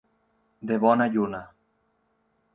De bona lluna.